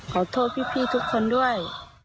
ขอโทษพี่ทุกคนด้วย